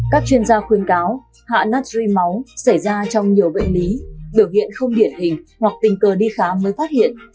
các chuyên gia khuyên cáo hạ nắt ri máu xảy ra trong nhiều bệnh lý biểu hiện không điển hình hoặc tình cờ đi khám mới phát hiện